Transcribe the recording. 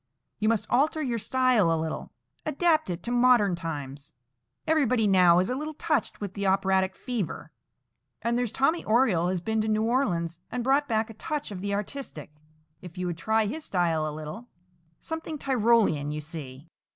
You must alter your style a little,—adapt it to modern times. Everybody now is a little touched with the operatic fever, and there's Tommy Oriole has been to New Orleans and brought back a touch of the artistic. If you would try his style a little,—something Tyrolean, you see."